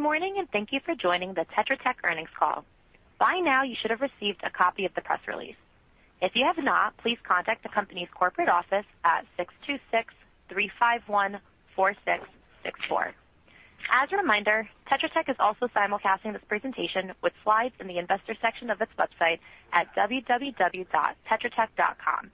Good morning, and thank you for joining the Tetra Tech earnings call. By now you should have received a copy of the press release. If you have not, please contact the company's corporate office at 626-351-4664. As a reminder, Tetra Tech is also simulcasting this presentation with slides in the investors section of its website at www.tetratech.com.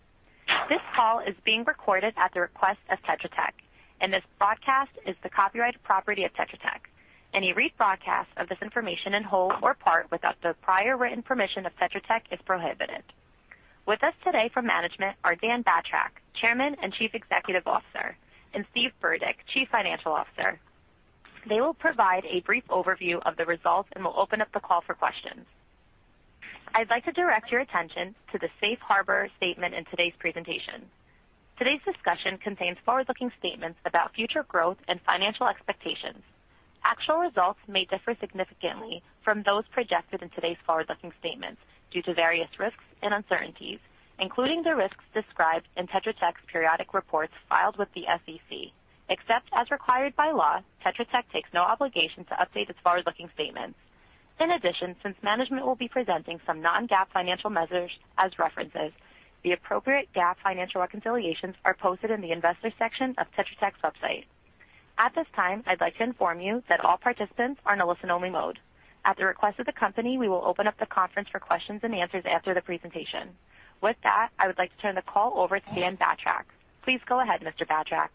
This call is being recorded at the request of Tetra Tech, and this broadcast is the copyrighted property of Tetra Tech. Any rebroadcast of this information in whole or part without the prior written permission of Tetra Tech is prohibited. With us today from management are Dan Batrack, Chairman and Chief Executive Officer, and Steve Burdick, Chief Financial Officer. They will provide a brief overview of the results and will open up the call for questions. I'd like to direct your attention to the safe harbor statement in today's presentation. Today's discussion contains forward-looking statements about future growth and financial expectations. Actual results may differ significantly from those projected in today's forward-looking statements due to various risks and uncertainties, including the risks described in Tetra Tech's periodic reports filed with the SEC. Except as required by law, Tetra Tech takes no obligation to update its forward-looking statements. Since management will be presenting some non-GAAP financial measures as references, the appropriate GAAP financial reconciliations are posted in the investors section of Tetra Tech's website. At this time, I'd like to inform you that all participants are in listen-only mode. At the request of the company, we will open up the conference for questions and answers after the presentation. I would like to turn the call over to Dan Batrack. Please go ahead, Mr. Batrack.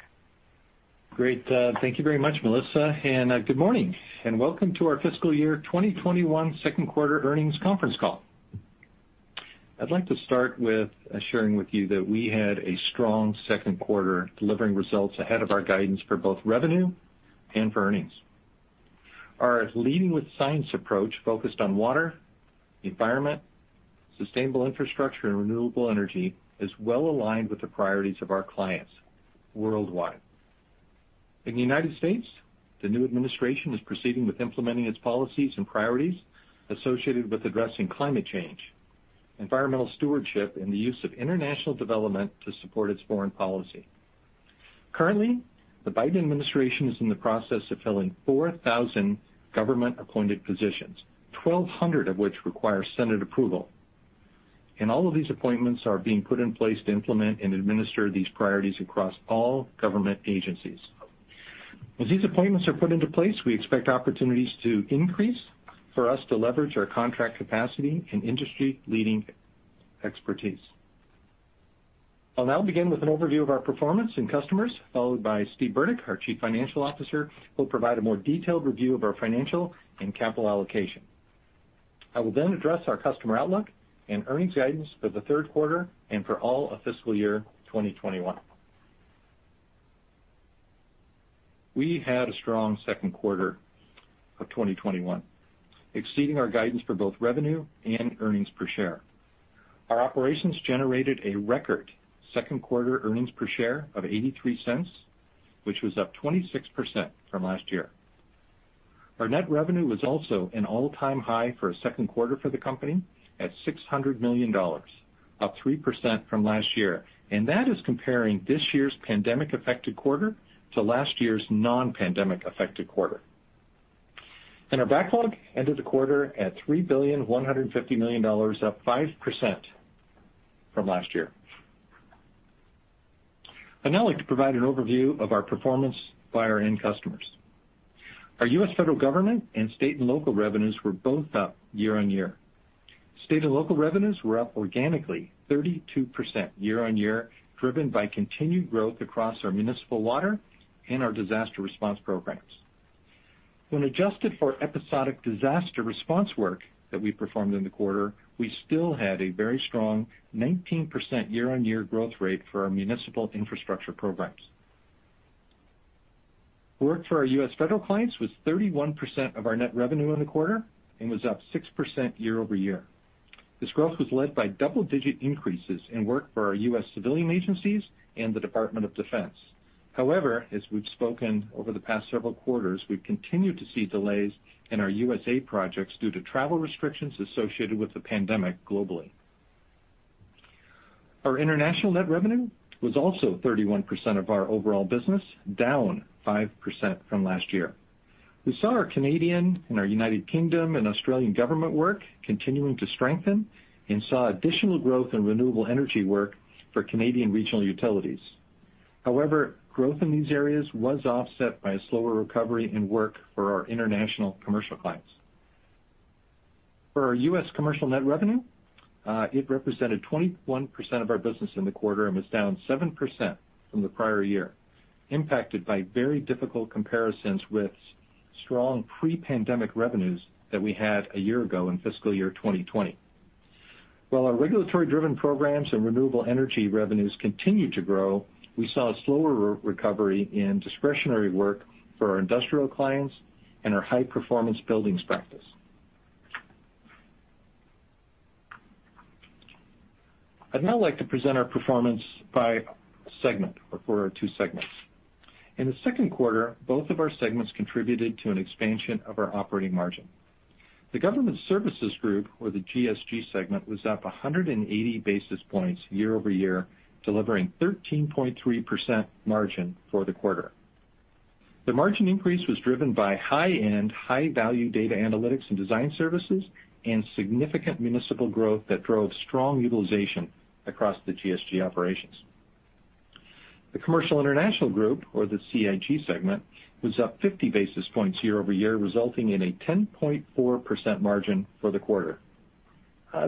Great. Thank you very much, Melissa. Good morning, and welcome to our fiscal year 2021 second quarter earnings conference call. I'd like to start with sharing with you that we had a strong second quarter, delivering results ahead of our guidance for both revenue and for earnings. Our Leading with Science approach focused on water, environment, sustainable infrastructure, and renewable energy is well-aligned with the priorities of our clients worldwide. In the United States, the new administration is proceeding with implementing its policies and priorities associated with addressing climate change, environmental stewardship, and the use of international development to support its foreign policy. Currently, the Biden administration is in the process of filling 4,000 government-appointed positions, 1,200 of which require Senate approval. All of these appointments are being put in place to implement and administer these priorities across all government agencies. As these appointments are put into place, we expect opportunities to increase for us to leverage our contract capacity and industry-leading expertise. I'll now begin with an overview of our performance and customers, followed by Steve Burdick, our Chief Financial Officer, who will provide a more detailed review of our financial and capital allocation. I will then address our customer outlook and earnings guidance for the third quarter and for all of fiscal year 2021. We had a strong second quarter of 2021, exceeding our guidance for both revenue and earnings per share. Our operations generated a record second quarter earnings per share of $0.83, which was up 26% from last year. Our net revenue was also an all-time high for a second quarter for the company at $600 million, up 3% from last year, and that is comparing this year's pandemic-affected quarter to last year's non-pandemic-affected quarter. Our backlog ended the quarter at $3,150,000,000, up 5% from last year. I'd now like to provide an overview of our performance by our end customers. Our U.S. federal government and state and local revenues were both up year-on-year. State and local revenues were up organically 32% year-on-year, driven by continued growth across our municipal water and our disaster response programs. When adjusted for episodic disaster response work that we performed in the quarter, we still had a very strong 19% year-on-year growth rate for our municipal infrastructure programs. Work for our U.S. federal clients was 31% of our net revenue in the quarter and was up 6% year-over-year. This growth was led by double-digit increases in work for our U.S. civilian agencies and the Department of Defense. As we've spoken over the past several quarters, we've continued to see delays in our U.S. projects due to travel restrictions associated with the pandemic globally. Our international net revenue was also 31% of our overall business, down 5% from last year. We saw our Canadian and our United Kingdom and Australian government work continuing to strengthen and saw additional growth in renewable energy work for Canadian regional utilities. Growth in these areas was offset by a slower recovery in work for our international commercial clients. For our U.S. commercial net revenue, it represented 21% of our business in the quarter and was down 7% from the prior year, impacted by very difficult comparisons with strong pre-pandemic revenues that we had a year ago in fiscal year 2020. While our regulatory-driven programs and renewable energy revenues continued to grow, we saw a slower recovery in discretionary work for our industrial clients and our high-performance buildings practice. I'd now like to present our performance by segment, or for our two segments. In the second quarter, both of our segments contributed to an expansion of our operating margin. The Government Services Group, or the GSG segment, was up 180 basis points year-over-year, delivering 13.3% margin for the quarter. The margin increase was driven by high-end, high-value data analytics and design services, and significant municipal growth that drove strong utilization across the GSG operations. The Commercial International Group, or the CIG segment, was up 50 basis points year-over-year, resulting in a 10.4% margin for the quarter.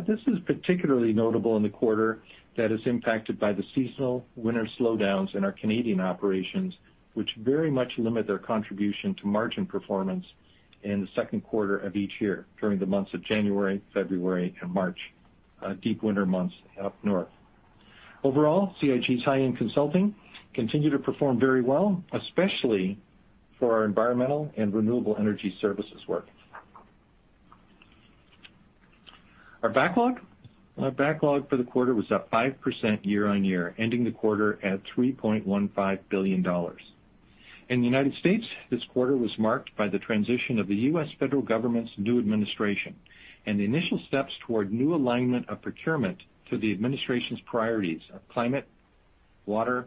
This is particularly notable in the quarter that is impacted by the seasonal winter slowdowns in our Canadian operations, which very much limit their contribution to margin performance in the second quarter of each year during the months of January, February, and March, deep winter months up north. Overall, CIG's high-end consulting continued to perform very well, especially for our environmental and renewable energy services work. Our backlog for the quarter was up 5% year-on-year, ending the quarter at $3.15 billion. In the United States, this quarter was marked by the transition of the U.S. federal government's new administration and the initial steps toward new alignment of procurement to the administration's priorities of climate, water,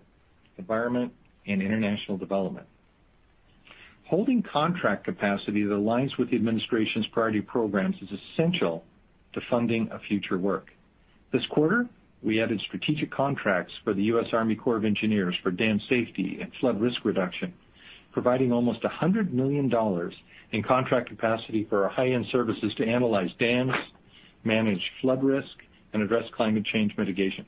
environment, and international development. Holding contract capacity that aligns with the administration's priority programs is essential to funding of future work. This quarter, we added strategic contracts for the U.S. Army Corps of Engineers for dam safety and flood risk reduction, providing almost $100 million in contract capacity for our high-end services to analyze dams, manage flood risk, and address climate change mitigation.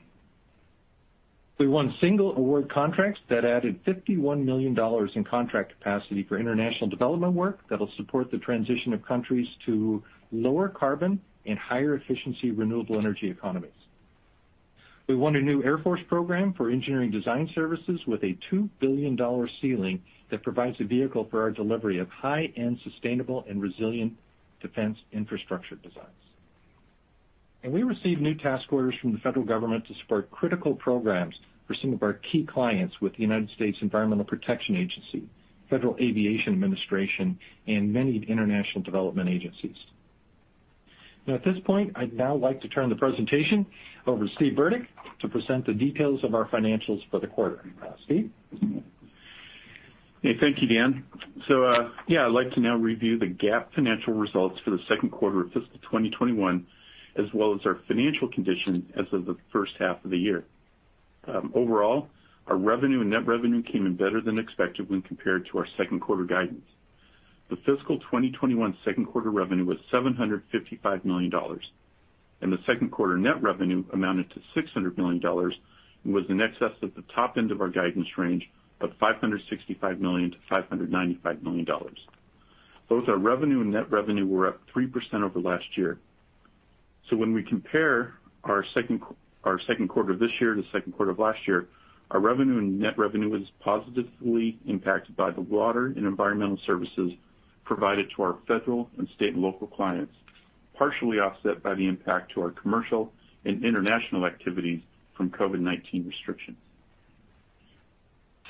We won single award contracts that added $51 million in contract capacity for international development work that'll support the transition of countries to lower carbon and higher efficiency renewable energy economies. We won a new Air Force program for engineering design services with a $2 billion ceiling that provides a vehicle for our delivery of high-end, sustainable, and resilient defense infrastructure designs. We received new task orders from the federal government to support critical programs for some of our key clients with the United States Environmental Protection Agency, Federal Aviation Administration, and many international development agencies. Now, at this point, I'd now like to turn the presentation over to Steve Burdick to present the details of our financials for the quarter. Steve? Thank you, Dan. Yeah, I'd like to now review the GAAP financial results for the second quarter of fiscal 2021, as well as our financial condition as of the first half of the year. Overall, our revenue and net revenue came in better than expected when compared to our second quarter guidance. The fiscal 2021 second quarter revenue was $755 million, the second quarter net revenue amounted to $600 million and was in excess of the top end of our guidance range of $565 million-$595 million. Both our revenue and net revenue were up 3% over last year. When we compare our second quarter this year to second quarter of last year, our revenue and net revenue was positively impacted by the water and environmental services provided to our federal and state and local clients, partially offset by the impact to our commercial and international activities from COVID-19 restrictions.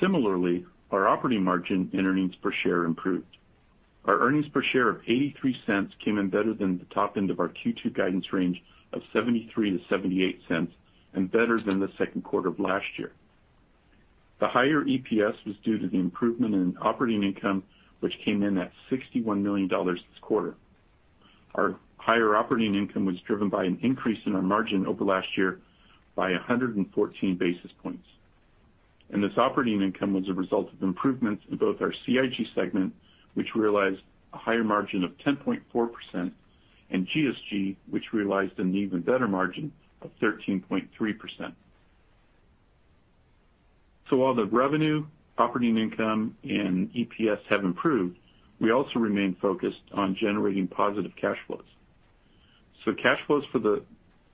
Similarly, our operating margin and earnings per share improved. Our earnings per share of $0.83 came in better than the top end of our Q2 guidance range of $0.73-$0.78, and better than the second quarter of last year. The higher EPS was due to the improvement in operating income, which came in at $61 million this quarter. Our higher operating income was driven by an increase in our margin over last year by 114 basis points. This operating income was a result of improvements in both our CIG segment, which realized a higher margin of 10.4%, and GSG, which realized an even better margin of 13.3%. While the revenue, operating income, and EPS have improved, we also remain focused on generating positive cash flows. Cash flows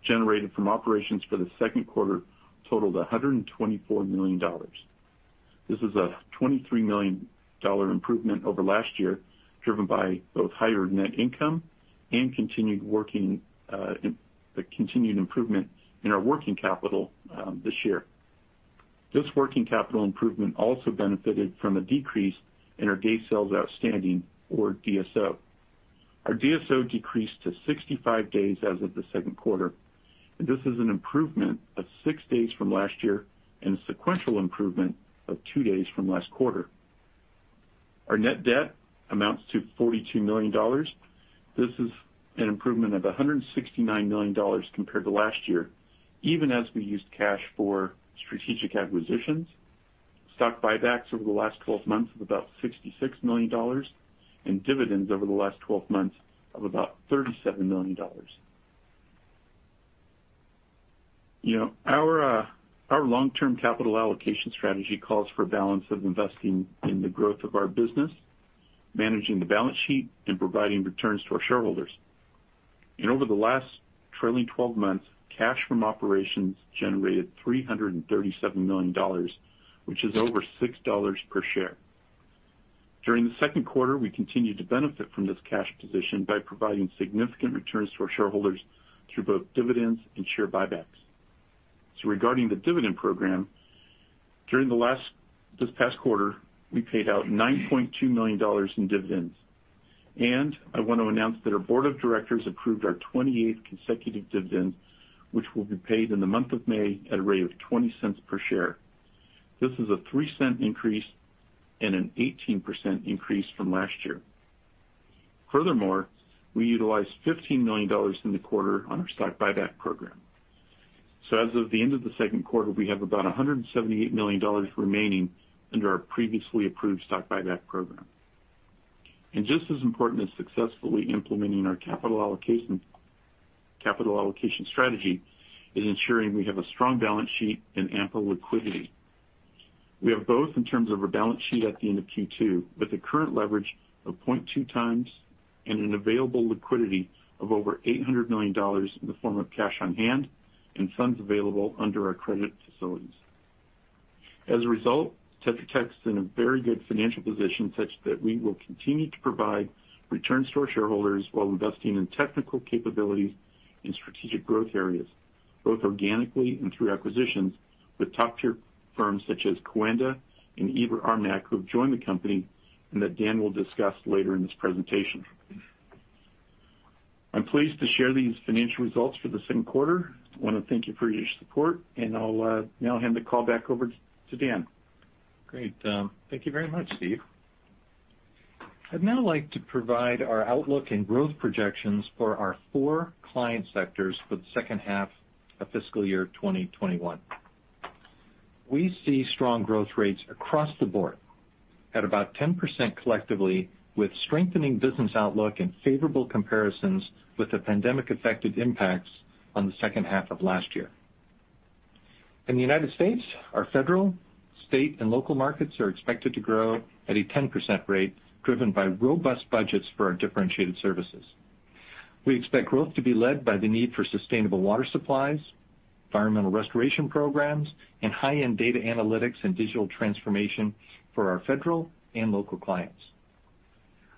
generated from operations for the second quarter totaled $124 million. This is a $23 million improvement over last year, driven by both higher net income and the continued improvement in our working capital this year. This working capital improvement also benefited from a decrease in our day sales outstanding or DSO. Our DSO decreased to 65 days as of the second quarter, and this is an improvement of six days from last year and a sequential improvement of two days from last quarter. Our net debt amounts to $42 million. This is an improvement of $169 million compared to last year, even as we used cash for strategic acquisitions, stock buybacks over the last 12 months of about $66 million, and dividends over the last 12 months of about $37 million. Our long-term capital allocation strategy calls for a balance of investing in the growth of our business, managing the balance sheet, and providing returns to our shareholders. Over the last trailing 12 months, cash from operations generated $337 million, which is over $6 per share. During the second quarter, we continued to benefit from this cash position by providing significant returns to our shareholders through both dividends and share buybacks. Regarding the dividend program, during this past quarter, we paid out $9.2 million in dividends, and I want to announce that our board of directors approved our 28th consecutive dividend, which will be paid in the month of May at a rate of $0.20 per share. This is a $0.03 increase and an 18% increase from last year. Furthermore, we utilized $15 million in the quarter on our stock buyback program. As of the end of the second quarter, we have about $178 million remaining under our previously approved stock buyback program. Just as important as successfully implementing our capital allocation strategy is ensuring we have a strong balance sheet and ample liquidity. We have both in terms of our balance sheet at the end of Q2, with a current leverage of 0.2 times and an available liquidity of over $800 million in the form of cash on hand and funds available under our credit facilities. As a result, Tetra Tech's in a very good financial position such that we will continue to provide returns to our shareholders while investing in technical capabilities and strategic growth areas, both organically and through acquisitions with top-tier firms such as Coanda and IBRA-RMAC, who have joined the company and that Dan will discuss later in this presentation. I'm pleased to share these financial results for the second quarter. I want to thank you for your support and I'll now hand the call back over to Dan. Great. Thank you very much, Steve. I'd now like to provide our outlook and growth projections for our four client sectors for the second half of fiscal year 2021. We see strong growth rates across the board at about 10% collectively, with strengthening business outlook and favorable comparisons with the pandemic-affected impacts on the second half of last year. In the United States, our federal, state and local markets are expected to grow at a 10% rate, driven by robust budgets for our differentiated services. We expect growth to be led by the need for sustainable water supplies, environmental restoration programs, and high-end data analytics and digital transformation for our federal and local clients.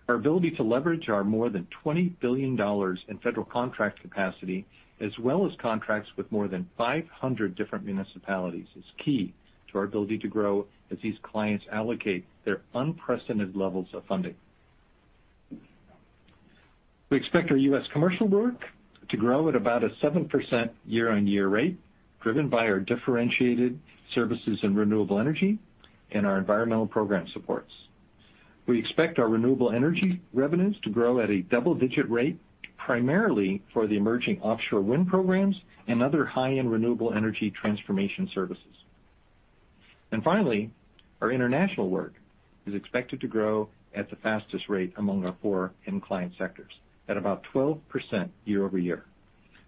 Our ability to leverage our more than $20 billion in federal contract capacity, as well as contracts with more than 500 different municipalities, is key to our ability to grow as these clients allocate their unprecedented levels of funding. We expect our U.S. commercial work to grow at about a 7% year-on-year rate, driven by our differentiated services in renewable energy and our environmental program supports. We expect our renewable energy revenues to grow at a double-digit rate, primarily for the emerging offshore wind programs and other high-end renewable energy transformation services. Finally, our international work is expected to grow at the fastest rate among our four end client sectors, at about 12% year-over-year.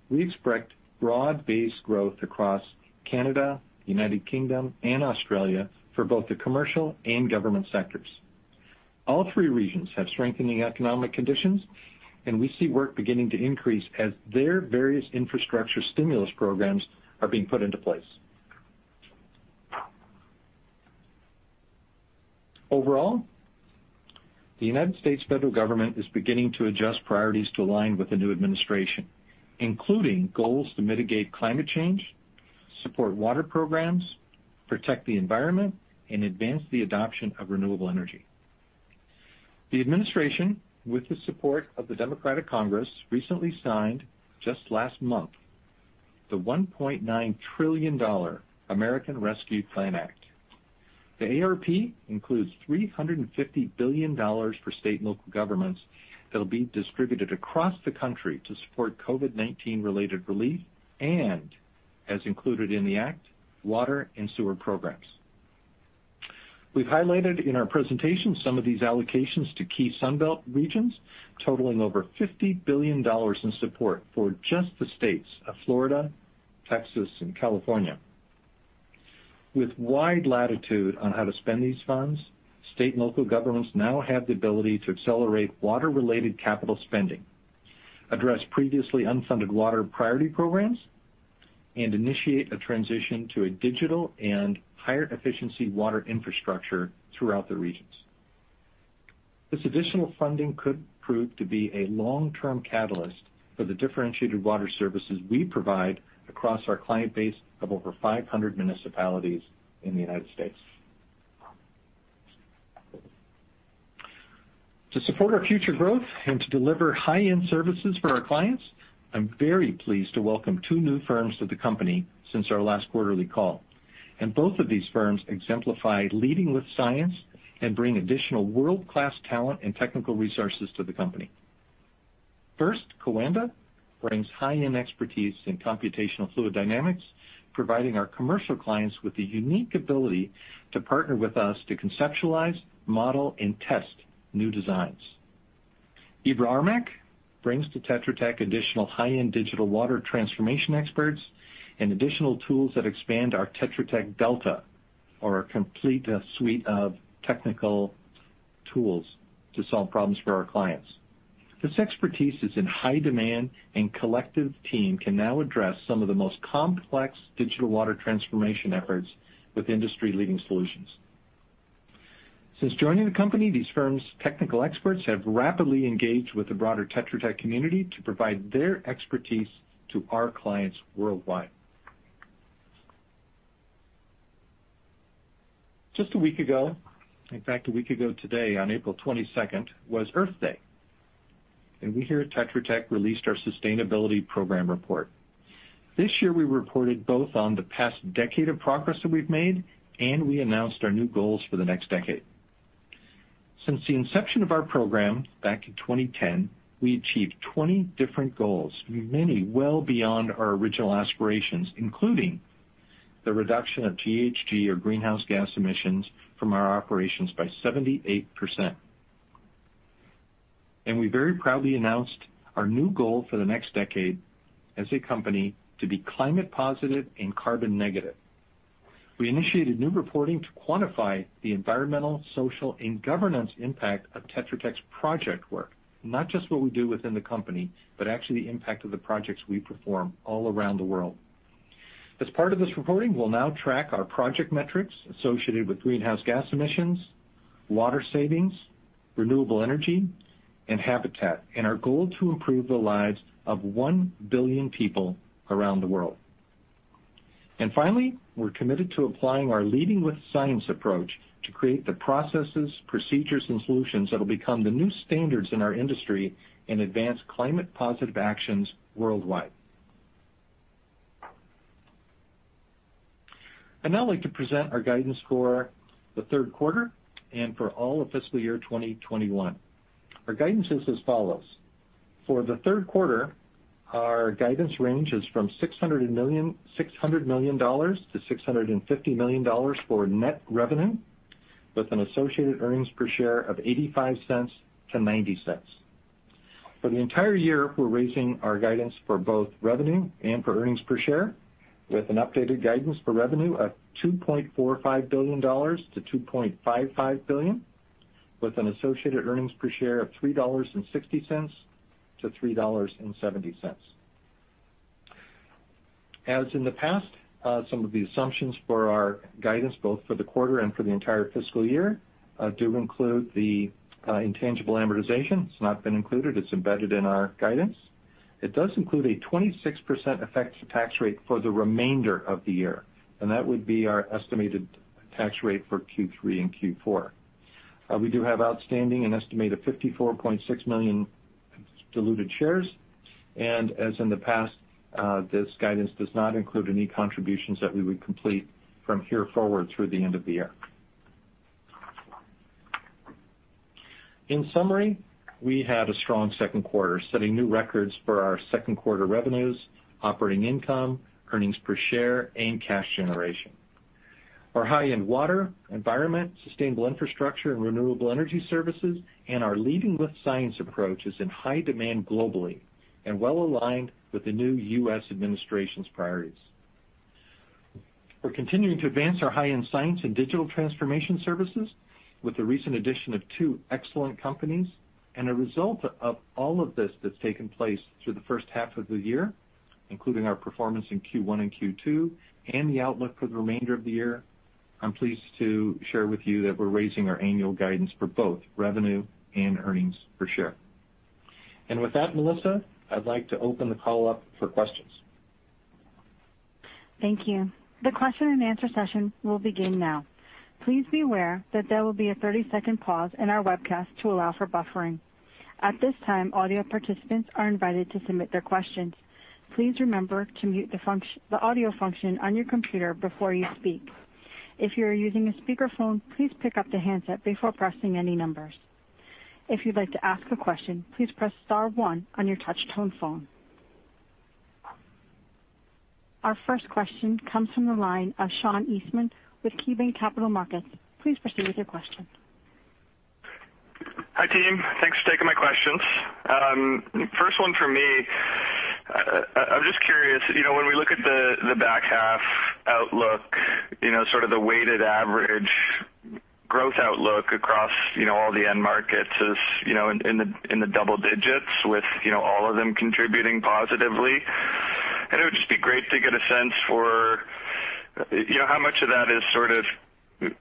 We expect broad-based growth across Canada, U.K., and Australia for both the commercial and government sectors. All three regions have strengthening economic conditions, and we see work beginning to increase as their various infrastructure stimulus programs are being put into place. The United States federal government is beginning to adjust priorities to align with the new administration, including goals to mitigate climate change, support water programs, protect the environment, and advance the adoption of renewable energy. The administration, with the support of the Democratic Congress, recently signed, just last month, the $1.9 trillion American Rescue Plan Act. The ARP includes $350 billion for state and local governments that'll be distributed across the country to support Covid-19 related relief and, as included in the act, water and sewer programs. We've highlighted in our presentation some of these allocations to key Sun Belt regions, totaling over $50 billion in support for just the states of Florida, Texas, and California. With wide latitude on how to spend these funds, state and local governments now have the ability to accelerate water-related capital spending, address previously unfunded water priority programs, and initiate a transition to a digital and higher efficiency water infrastructure throughout the regions. This additional funding could prove to be a long-term catalyst for the differentiated water services we provide across our client base of over 500 municipalities in the U.S. To support our future growth and to deliver high-end services for our clients, I'm very pleased to welcome two new firms to the company since our last quarterly call, both of these firms exemplify Leading with Science and bring additional world-class talent and technical resources to the company. First, Coanda brings high-end expertise in computational fluid dynamics, providing our commercial clients with the unique ability to partner with us to conceptualize, model, and test new designs. IBRA-RMAC brings to Tetra Tech additional high-end digital water transformation experts and additional tools that expand our Tetra Tech Delta, or our complete suite of technical tools to solve problems for our clients. This expertise is in high demand and collective team can now address some of the most complex digital water transformation efforts with industry-leading solutions. Since joining the company, these firms' technical experts have rapidly engaged with the broader Tetra Tech community to provide their expertise to our clients worldwide. Just a week ago, in fact, a week ago today, on April 22nd, was Earth Day, and we here at Tetra Tech released our sustainability program report. This year, we reported both on the past decade of progress that we've made, and we announced our new goals for the next decade. Since the inception of our program back in 2010, we achieved 20 different goals, many well beyond our original aspirations, including the reduction of GHG or greenhouse gas emissions from our operations by 78%. We very proudly announced our new goal for the next decade as a company to be climate positive and carbon negative. We initiated new reporting to quantify the environmental, social, and governance impact of Tetra Tech's project work, not just what we do within the company, but actually the impact of the projects we perform all around the world. As part of this reporting, we'll now track our project metrics associated with greenhouse gas emissions, water savings, renewable energy, and habitat, and our goal to improve the lives of 1 billion people around the world. Finally, we're committed to applying our Leading with Science approach to create the processes, procedures, and solutions that will become the new standards in our industry and advance climate positive actions worldwide. I'd now like to present our guidance for the third quarter and for all of fiscal year 2021. Our guidance is as follows. For the third quarter, our guidance range is from $600 million to $650 million for net revenue, with an associated earnings per share of $0.85-$0.90. For the entire year, we're raising our guidance for both revenue and for earnings per share, with an updated guidance for revenue of $2.45 billion-$2.55 billion, with an associated earnings per share of $3.60-$3.70. As in the past, some of the assumptions for our guidance, both for the quarter and for the entire fiscal year, do include the intangible amortization. It's not been included. It's embedded in our guidance. It does include a 26% effective tax rate for the remainder of the year, and that would be our estimated tax rate for Q3 and Q4. We do have outstanding an estimated 54.6 million diluted shares. As in the past, this guidance does not include any contributions that we would complete from here forward through the end of the year. In summary, we had a strong second quarter, setting new records for our second quarter revenues, operating income, earnings per share, and cash generation. Our high-end water, environment, sustainable infrastructure, and renewable energy services and our Leading with Science approach is in high demand globally and well aligned with the new U.S. administration's priorities. We're continuing to advance our high-end science and digital transformation services with the recent addition of two excellent companies. A result of all of this that's taken place through the first half of the year, including our performance in Q1 and Q2 and the outlook for the remainder of the year, I'm pleased to share with you that we're raising our annual guidance for both revenue and earnings per share. With that, Melissa, I'd like to open the call up for questions. Thank you. The question-and-answer session will begin now. Please be aware that there will be a 30-second pause in our webcast to allow for buffering. At this time, audio participants are invited to submit their questions. Please remember to mute the audio function on your computer before you speak. If you are using a speakerphone, please pick up the handset before pressing any numbers. If you'd like to ask a question, please press star one on your touch-tone phone. Our first question comes from the line of Sean Eastman with KeyBanc Capital Markets. Please proceed with your question. Hi, team. Thanks for taking my questions. First one for me, I'm just curious, when we look at the back half outlook, sort of the weighted average growth outlook across all the end markets is in the double digits with all of them contributing positively. It would just be great to get a sense for how much of that is sort of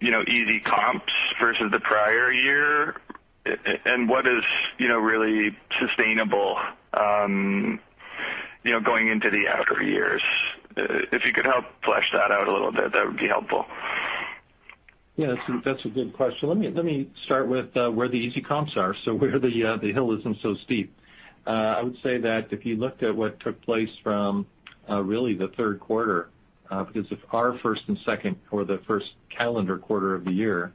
easy comps versus the prior year and what is really sustainable going into the outer years. If you could help flesh that out a little bit, that would be helpful. Yeah, that's a good question. Let me start with where the easy comps are, so where the hill isn't so steep. I would say that if you looked at what took place from really the third quarter, because if our first and second or the first calendar quarter of the year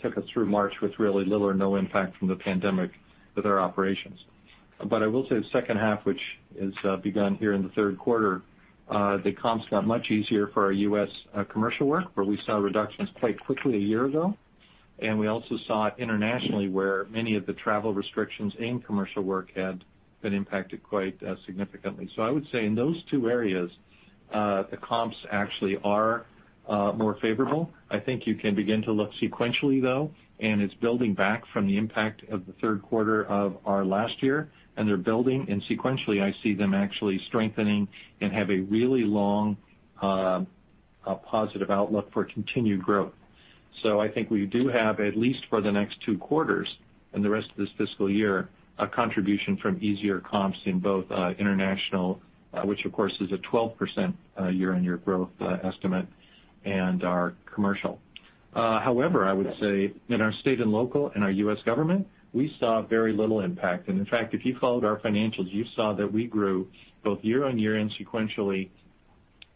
took us through March with really little or no impact from the pandemic with our operations. I will say the second half, which has begun here in the third quarter, the comps got much easier for our U.S. commercial work, where we saw reductions quite quickly a year ago. We also saw it internationally where many of the travel restrictions and commercial work had been impacted quite significantly. I would say in those two areas, the comps actually are more favorable. I think you can begin to look sequentially, though, and it's building back from the impact of the third quarter of our last year, and they're building. Sequentially, I see them actually strengthening and have a really long, positive outlook for continued growth. I think we do have, at least for the next two quarters and the rest of this fiscal year, a contribution from easier comps in both International, which of course is a 12% year-on-year growth estimate, and our Commercial. However, I would say in our state and local and our U.S. government, we saw very little impact. In fact, if you followed our financials, you saw that we grew both year-on-year and sequentially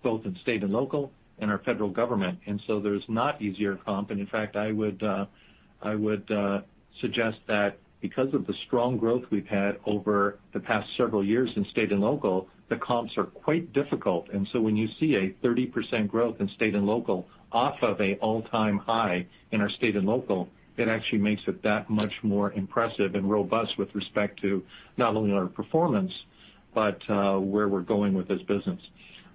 both in state and local and our Federal Government. There's not easier comp, and in fact, I would suggest that because of the strong growth we've had over the past several years in state and local, the comps are quite difficult. When you see a 30% growth in state and local off of an all-time high in our state and local, it actually makes it that much more impressive and robust with respect to not only our performance, but where we're going with this business.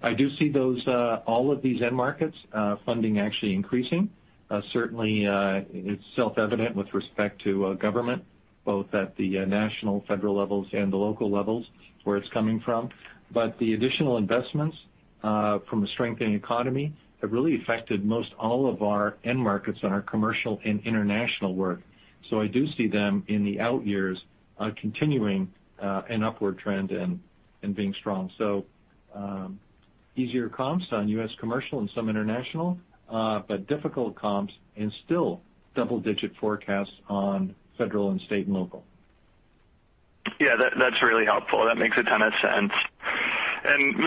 I do see all of these end markets funding actually increasing. Certainly, it's self-evident with respect to government, both at the national federal levels and the local levels, where it's coming from. The additional investments from a strengthening economy have really affected most all of our end markets and our commercial and international work. I do see them in the out years continuing an upward trend and being strong. Easier comps on U.S. commercial and some international, but difficult comps and still double-digit forecasts on federal and state and local. Yeah, that's really helpful. That makes a ton of sense.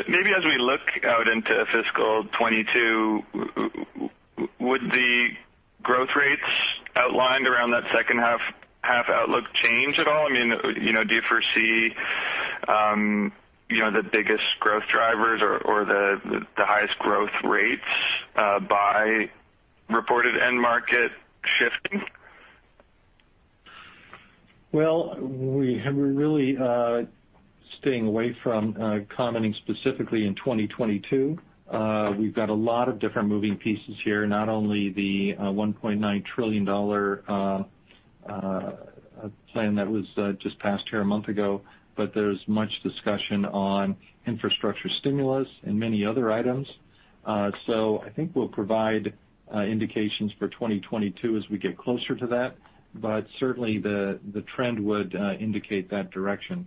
Maybe as we look out into fiscal 2022, would the growth rates outlined around that second half outlook change at all? I mean, do you foresee the biggest growth drivers or the highest growth rates by reported end market shifting? We're really staying away from commenting specifically in 2022. We've got a lot of different moving pieces here, not only the $1.9 trillion Plan that was just passed here a month ago, but there's much discussion on infrastructure stimulus and many other items. I think we'll provide indications for 2022 as we get closer to that. Certainly, the trend would indicate that direction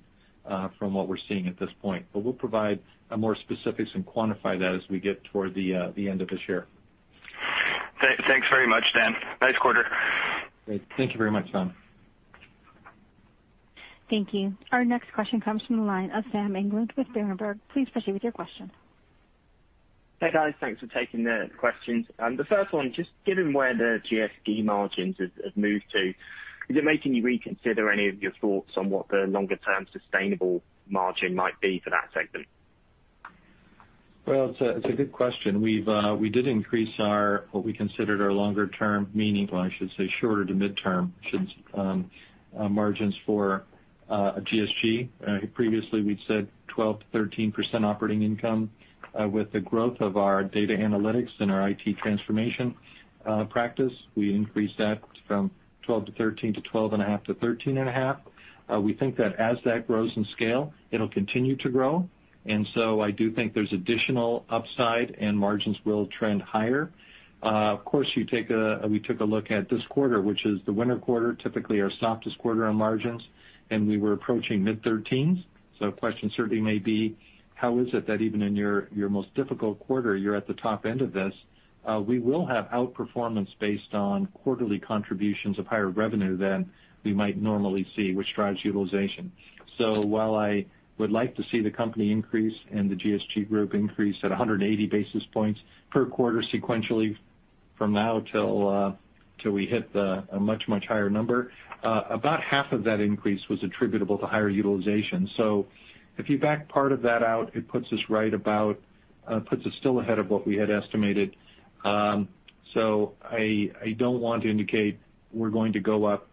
from what we're seeing at this point. We'll provide more specifics and quantify that as we get toward the end of this year. Thanks very much, Dan. Nice quarter. Great. Thank you very much, Sean. Thank you. Our next question comes from the line of Sam England with Berenberg. Please proceed with your question. Hey, guys. Thanks for taking the questions. The first one, just given where the GSG margins have moved to, is it making you reconsider any of your thoughts on what the longer-term sustainable margin might be for that segment? Well, it's a good question. We did increase what we considered our longer term, meaning, well, I should say shorter to midterm margins for GSG. Previously, we'd said 12%-13% operating income. With the growth of our data analytics and our IT transformation practice, we increased that from 12%-13% to 12.5%-13.5%. We think that as that grows in scale, it'll continue to grow. I do think there's additional upside and margins will trend higher. Of course, we took a look at this quarter, which is the winter quarter, typically our softest quarter on margins, and we were approaching mid-13s. The question certainly may be, how is it that even in your most difficult quarter, you're at the top end of this? We will have outperformance based on quarterly contributions of higher revenue than we might normally see, which drives utilization. While I would like to see the company increase and the GSG Group increase at 180 basis points per quarter sequentially from now till we hit a much, much higher number, about half of that increase was attributable to higher utilization. If you back part of that out, it puts us still ahead of what we had estimated. I don't want to indicate we're going to go up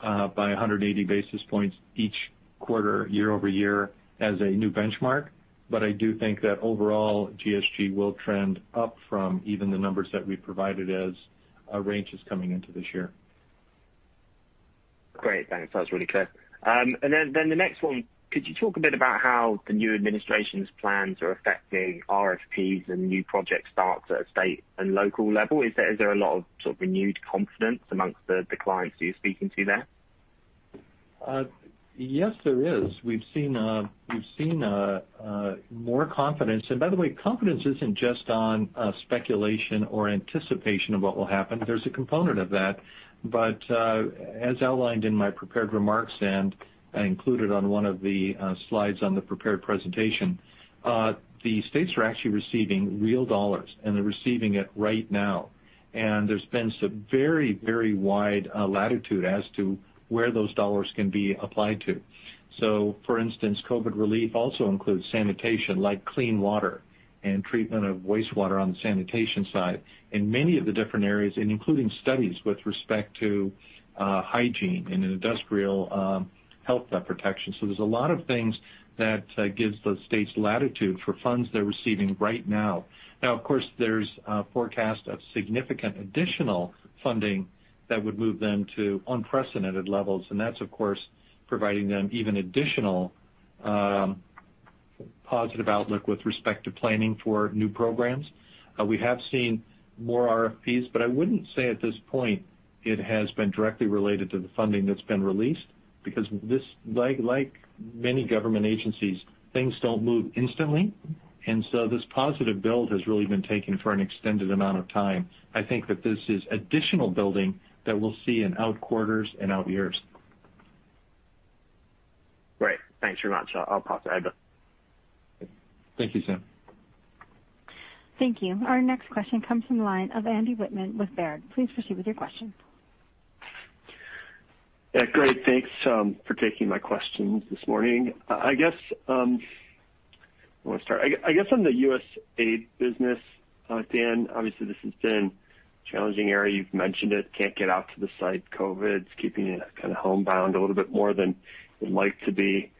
by 180 basis points each quarter year-over-year as a new benchmark. I do think that overall, GSG will trend up from even the numbers that we provided as ranges coming into this year. Great. Thanks. That's really clear. The next one, could you talk a bit about how the new administration's plans are affecting RFPs and new project starts at a state and local level? Is there a lot of sort of renewed confidence amongst the clients that you're speaking to there? Yes, there is. We've seen more confidence. By the way, confidence isn't just on speculation or anticipation of what will happen. There's a component of that. As outlined in my prepared remarks, and I included on one of the slides on the prepared presentation, the states are actually receiving real dollars, and they're receiving it right now. There's been some very wide latitude as to where those dollars can be applied to. For instance, COVID relief also includes sanitation like clean water and treatment of wastewater on the sanitation side in many of the different areas, and including studies with respect to hygiene and industrial health protection. There's a lot of things that gives those states latitude for funds they're receiving right now. Now, of course, there's a forecast of significant additional funding that would move them to unprecedented levels, and that's of course providing them even additional positive outlook with respect to planning for new programs. We have seen more RFPs, but I wouldn't say at this point it has been directly related to the funding that's been released, because like many government agencies, things don't move instantly. This positive build has really been taking for an extended amount of time. I think that this is additional building that we'll see in out quarters and out years. Great. Thanks very much. I'll pass that back. Thank you, Sam. Thank you. Our next question comes from the line of Andrew Wittmann with Baird. Please proceed with your question. Yeah, great. Thanks for taking my questions this morning. Where do I start? I guess on the USAID business, Dan, obviously this has been a challenging area. You've mentioned it can't get out to the site. COVID's keeping you homebound a little bit more than you'd like to be.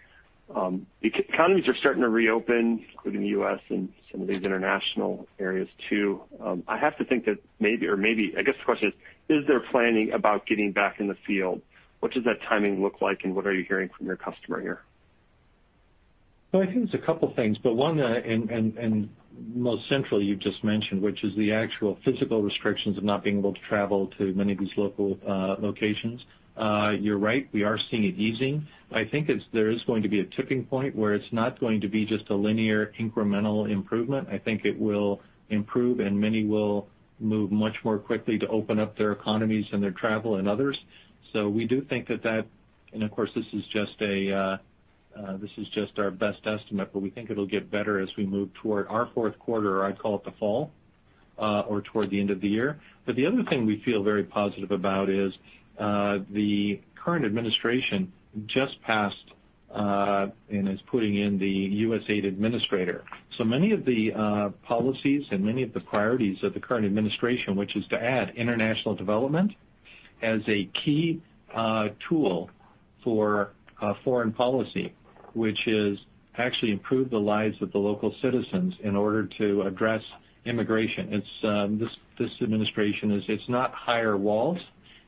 Economies are starting to reopen, including the U.S. and some of these international areas too. I guess the question is there planning about getting back in the field? What does that timing look like, and what are you hearing from your customer here? I think it's a couple things, but one, and most central, you've just mentioned, which is the actual physical restrictions of not being able to travel to many of these local locations. You're right, we are seeing it easing. I think there is going to be a tipping point where it's not going to be just a linear, incremental improvement. I think it will improve and many will move much more quickly to open up their economies and their travel and others. We do think that. Of course, this is just our best estimate, but we think it'll get better as we move toward our fourth quarter, or I call it the fall or toward the end of the year. The other thing we feel very positive about is the current administration just passed and is putting in the USAID administrator. Many of the policies and many of the priorities of the current administration, which is to add international development as a key tool for foreign policy, which is actually improve the lives of the local citizens in order to address immigration. This administration is not higher walls,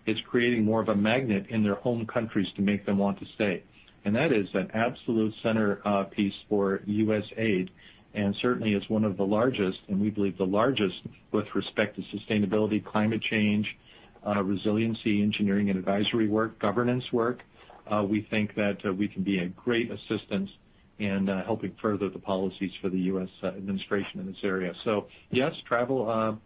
it's creating more of a magnet in their home countries to make them want to stay. That is an absolute centerpiece for USAID, and certainly is one of the largest, and we believe the largest with respect to sustainability, climate change, resiliency engineering and advisory work, governance work. We think that we can be a great assistance in helping further the policies for the U.S. administration in this area. Yes, travel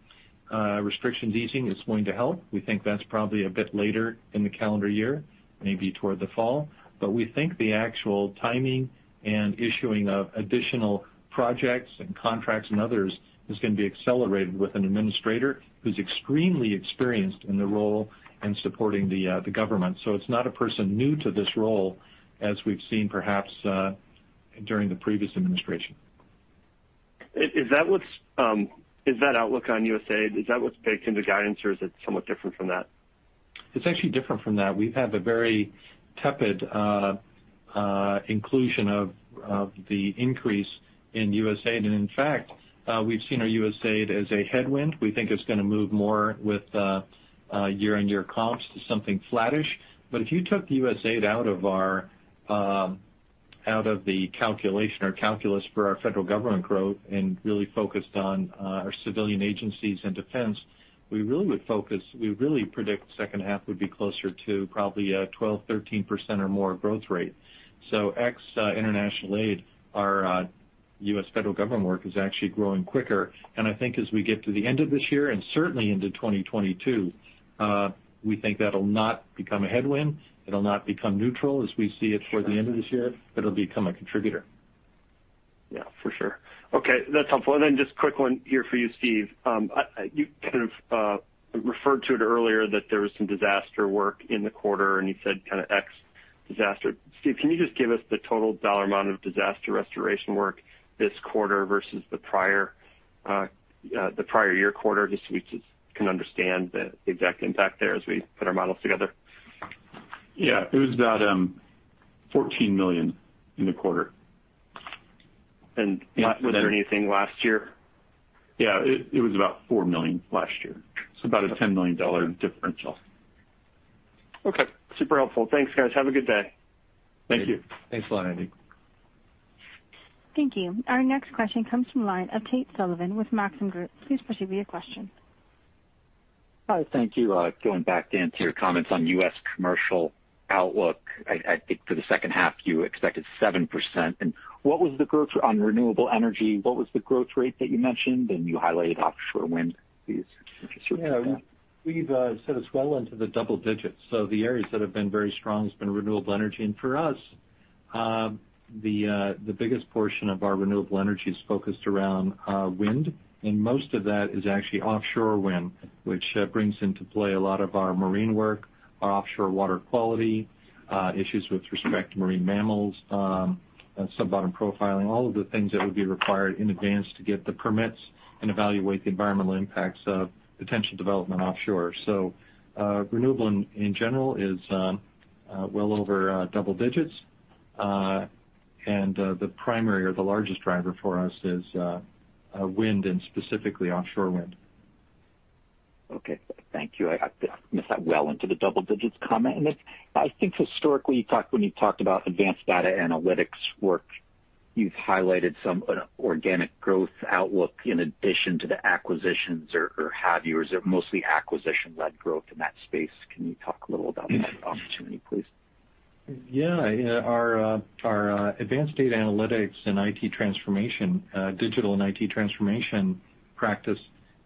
restrictions easing is going to help. We think that's probably a bit later in the calendar year, maybe toward the fall. We think the actual timing and issuing of additional projects and contracts and others is going to be accelerated with an administrator who's extremely experienced in the role in supporting the government. It's not a person new to this role as we've seen perhaps during the previous administration. Is that outlook on USAID, is that what's baked into guidance or is it somewhat different from that? It's actually different from that. We have a very tepid inclusion of the increase in USAID. In fact, we've seen our USAID as a headwind. We think it's going to move more with year-on-year comps to something flattish. If you took USAID out of the calculation or calculus for our federal government growth and really focused on our civilian agencies and defense, we really predict second half would be closer to probably a 12%-13% or more growth rate. Ex international aid, our U.S. federal government work is actually growing quicker. I think as we get to the end of this year and certainly into 2022, we think that'll not become a headwind. It'll not become neutral as we see it toward the end of this year. It'll become a contributor. Yeah, for sure. Okay, that's helpful. Just a quick one here for you, Steve. You kind of referred to it earlier that there was some disaster work in the quarter, and you said kind of ex disaster. Steve, can you just give us the total dollar amount of disaster restoration work this quarter versus the prior year quarter, just so we can understand the exact impact there as we put our models together? Yeah. It was about $14 million in the quarter. Was there anything last year? Yeah. It was about $4 million last year. About a $10 million differential. Okay. Super helpful. Thanks, guys. Have a good day. Thank you. Thanks a lot, Andy. Thank you. Our next question comes from the line of Tate Sullivan with Maxim Group. Please proceed with your question. Hi. Thank you. Going back, Dan, to your comments on U.S. commercial outlook, I think for the second half, you expected 7%. On renewable energy, what was the growth rate that you mentioned? You highlighted offshore wind. Just interested to hear about that. Yeah. We've set a swell into the double digits. The areas that have been very strong has been renewable energy. For us, the biggest portion of our renewable energy is focused around wind, and most of that is actually offshore wind, which brings into play a lot of our marine work, our offshore water quality, issues with respect to marine mammals, and sub-bottom profiling. All of the things that would be required in advance to get the permits and evaluate the environmental impacts of potential development offshore. Renewable in general is well over double digits. The primary or the largest driver for us is wind and specifically offshore wind. Okay. Thank you. I missed that well into the double digits comment. I think historically, when you talked about advanced data analytics work, you've highlighted some organic growth outlook in addition to the acquisitions or have you, or is it mostly acquisition-led growth in that space? Can you talk a little about that opportunity, please? Yeah. Our advanced data analytics and digital and IT transformation practice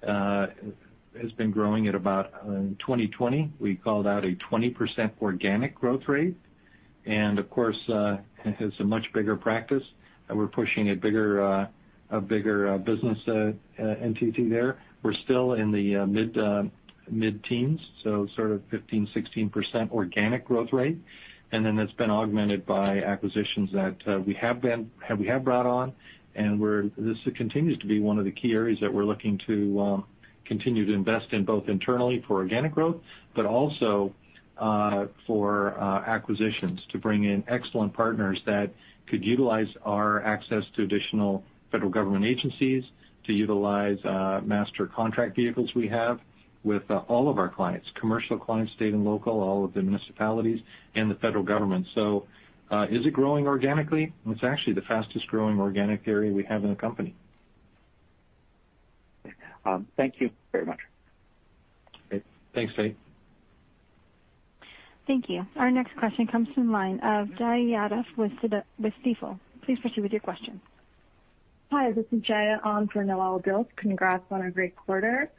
has been growing at about, in 2020, we called out a 20% organic growth rate. Of course, it's a much bigger practice, and we're pushing a bigger business entity there. We're still in the mid-teens, so sort of 15%, 16% organic growth rate. Then it's been augmented by acquisitions that we have brought on, and this continues to be one of the key areas that we're looking to continue to invest in, both internally for organic growth, but also for acquisitions to bring in excellent partners that could utilize our access to additional federal government agencies, to utilize master contract vehicles we have with all of our clients, commercial clients, state and local, all of the municipalities and the federal government. Is it growing organically? It's actually the fastest growing organic area we have in the company. Thank you very much. Great. Thanks, Tate. Thank you. Our next question comes from the line of Jaya Yadav with Stifel. Please proceed with your question. Hi, this is Jaya on for Noelle Dilts. Congrats on a great quarter.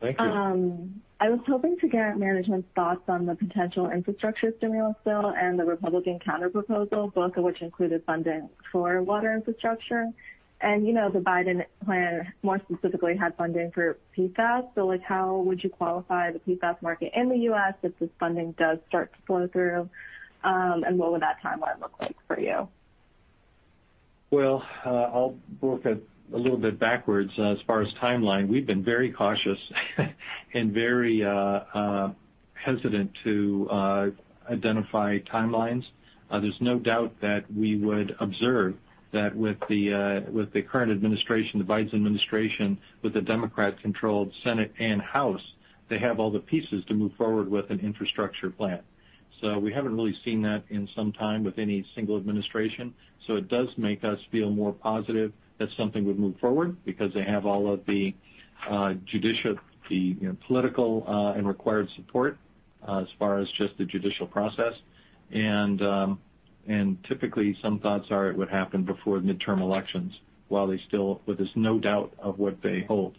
Thank you. I was hoping to get management's thoughts on the potential infrastructure stimulus bill and the Republican counterproposal, both of which included funding for water infrastructure. The Biden plan more specifically had funding for PFAS. How would you qualify the PFAS market in the U.S. if this funding does start to flow through? What would that timeline look like for you? Well, I'll work it a little bit backwards as far as timeline. We've been very cautious and very hesitant to identify timelines. There's no doubt that we would observe that with the current administration, the Biden administration, with the Democratic-controlled Senate and House, they have all the pieces to move forward with an infrastructure plan. We haven't really seen that in some time with any single administration. It does make us feel more positive that something would move forward because they have all of the political and required support as far as just the judicial process. Typically, some thoughts are it would happen before the midterm elections, while there's no doubt of what they hold.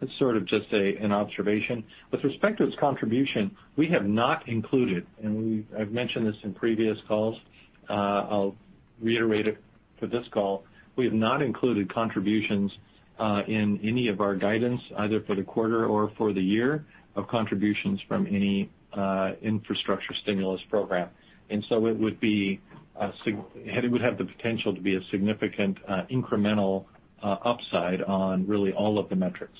That's sort of just an observation. With respect to its contribution, we have not included, and I've mentioned this in previous calls, I'll reiterate it for this call. We have not included contributions in any of our guidance, either for the quarter or for the year, of contributions from any infrastructure stimulus program. It would have the potential to be a significant incremental upside on really all of the metrics.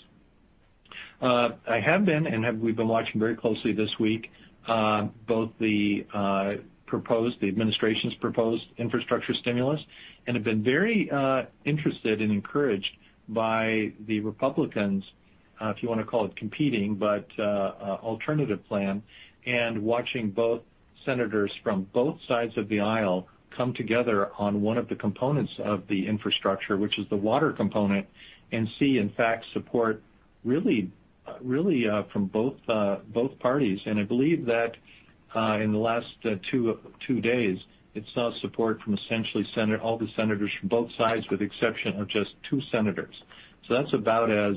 We've been watching very closely this week, both the administration's proposed infrastructure stimulus and have been very interested and encouraged by the Republicans, if you want to call it competing, but alternative plan. Watching both senators from both sides of the aisle come together on one of the components of the infrastructure, which is the water component, and see, in fact, support really from both parties. I believe that in the last two days, it saw support from essentially all the senators from both sides with exception of just two senators. That's about as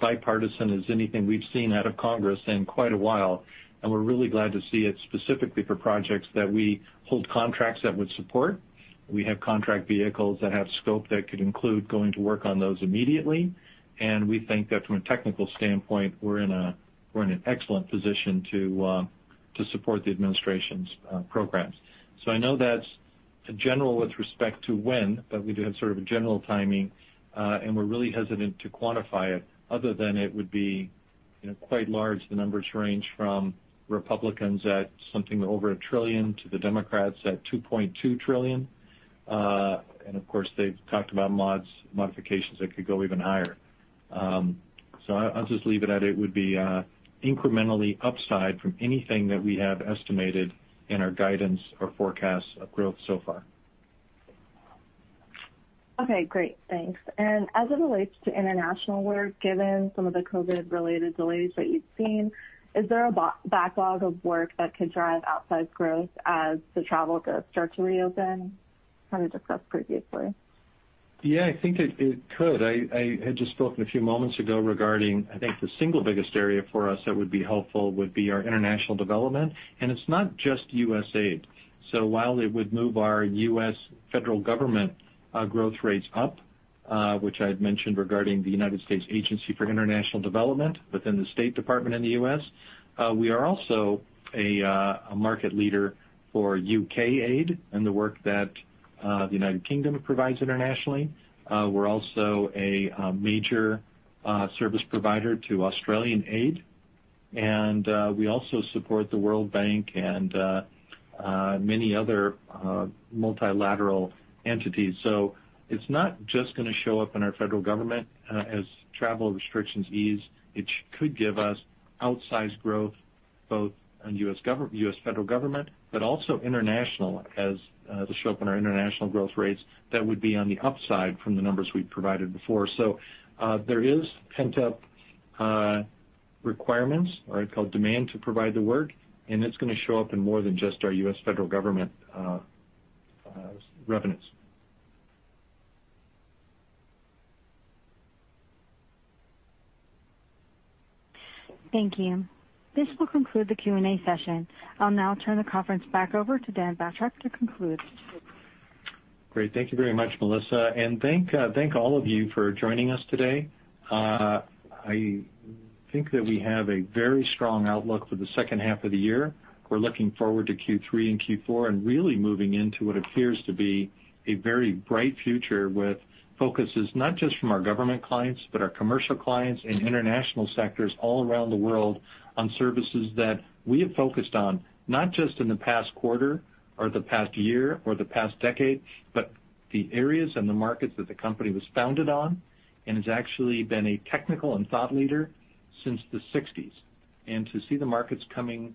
bipartisan as anything we've seen out of Congress in quite a while, and we're really glad to see it specifically for projects that we hold contracts that would support. We have contract vehicles that have scope that could include going to work on those immediately. We think that from a technical standpoint, we're in an excellent position to support the Administration's programs. I know that's general with respect to when, but we do have sort of a general timing, and we're really hesitant to quantify it other than it would be quite large. The numbers range from Republicans at something over a trillion to the Democrats at $2.2 trillion. Of course, they've talked about modifications that could go even higher. I'll just leave it at it would be incrementally upside from anything that we have estimated in our guidance or forecasts of growth so far. Okay, great. Thanks. As it relates to international work, given some of the COVID-related delays that you've seen, is there a backlog of work that could drive outsized growth as the travel does start to reopen? Kind of discussed previously. Yeah, I think it could. I had just spoken a few moments ago regarding, I think the single biggest area for us that would be helpful would be our international development. It's not just USAID. While it would move our U.S. federal government growth rates up, which I had mentioned regarding the United States Agency for International Development within the State Department in the U.S., we are also a market leader for UK Aid and the work that the United Kingdom provides internationally. We're also a major service provider to Australian Aid. We also support the World Bank and many other multilateral entities. It's not just going to show up in our federal government. As travel restrictions ease, it could give us outsized growth both on U.S. federal government, but also international, as they show up in our international growth rates, that would be on the upside from the numbers we've provided before. There is pent-up requirements, or call it demand, to provide the work, and it's going to show up in more than just our U.S. federal government revenues. Thank you. This will conclude the Q&A session. I'll now turn the conference back over to Dan Batrack to conclude. Great. Thank you very much, Melissa. Thank all of you for joining us today. I think that we have a very strong outlook for the second half of the year. We're looking forward to Q3 and Q4 and really moving into what appears to be a very bright future with focuses, not just from our government clients, but our commercial clients and international sectors all around the world on services that we have focused on, not just in the past quarter or the past year or the past decade, but the areas and the markets that the company was founded on and has actually been a technical and thought leader since the 1960s. To see the markets coming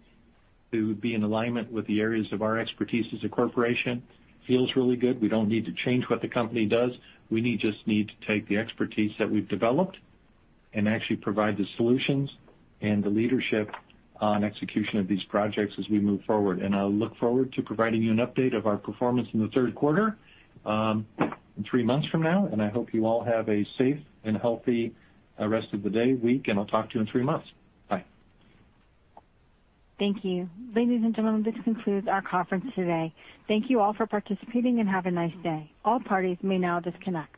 to be in alignment with the areas of our expertise as a corporation feels really good. We don't need to change what the company does. We just need to take the expertise that we've developed and actually provide the solutions and the leadership on execution of these projects as we move forward. I look forward to providing you an update of our performance in the third quarter in three months from now. I hope you all have a safe and healthy rest of the day, week, and I'll talk to you in three months. Bye. Thank you. Ladies and gentlemen, this concludes our conference today. Thank you all for participating and have a nice day. All parties may now disconnect.